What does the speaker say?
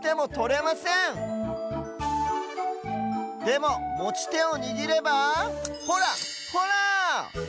でももちてをにぎればほらほら！